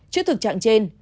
trước thực trạng trên